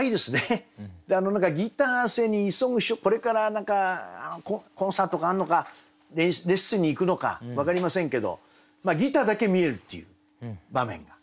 これから何かコンサートがあるのかレッスンに行くのか分かりませんけどギターだけ見えるっていう場面が。